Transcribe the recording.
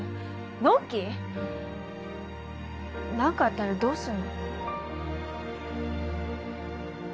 のんき？何かあったらどうするの？